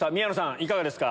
いかがですか？